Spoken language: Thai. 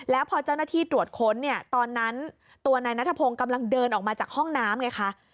แล้วพอเจ้าหน้าที่ตรวจค้นเนี่ยตอนนั้นตัวนายนัทพงศ์กำลังเดินออกมาจากห้องน้ำไงคะ